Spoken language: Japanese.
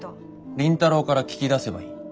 倫太郎から聞き出せばいい。